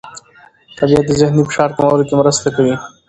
طبیعت د ذهني فشار کمولو کې مرسته کوي.